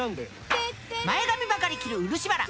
前髪ばかり切る漆原。